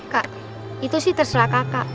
kak itu sih terserah kakak